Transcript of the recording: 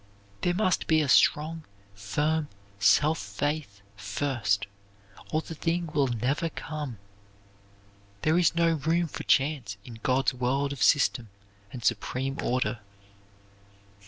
There must be a strong, firm self faith first, or the thing will never come. There is no room for chance in God's world of system and supreme order.